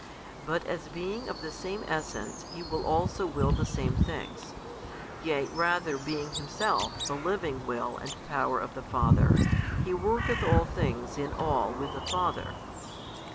But as being of the Same Essence He will also will the same things, yea rather being Himself the Living Will and Power of the Father, He worketh all things in all with the Father.